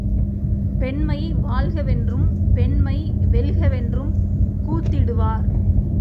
பெண்மை வாழ்கவென்றும் பெண்மை வெல்கவென்றும் கூத்திடுவார்.